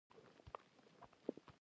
نړیوال بدلون د خلکو زړونه نه بدلوي.